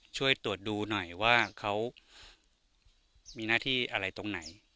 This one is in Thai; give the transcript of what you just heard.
ช่วยตรวจดูหน่อยว่าเขามีหน้าที่อะไรตรงไหน